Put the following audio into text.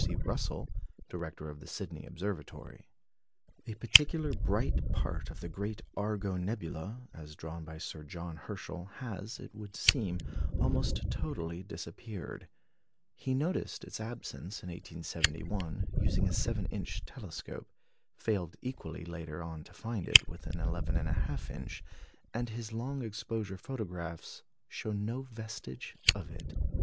C. Russell, director of the Sydney Observatory. A particularly bright part of the great Argo nebula, as drawn by Sir John Herschel, has, it would seem, almost totally disappeared. He noticed its absence in 1871, using a 7 inch telescope, failed equally later on to find it with an 11 1/2 inch, and his long exposure photographs show no vestige of it.